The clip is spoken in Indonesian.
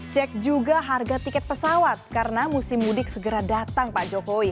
cek juga harga tiket pesawat karena musim mudik segera datang pak jokowi